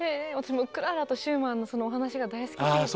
もうクララとシューマンのそのお話が大好きすぎて。